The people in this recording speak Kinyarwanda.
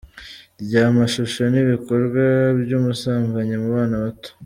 ry’amashusho n’ibikorwa by’ubusambanyi mu bana bato .